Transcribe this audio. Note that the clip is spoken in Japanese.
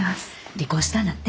離婚したんだって？